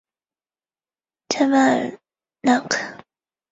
客人进寨前均举行唱拦路歌的迎宾仪式。